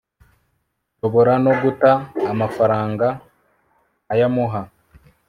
nshobora no guta amafaranga nkayamuha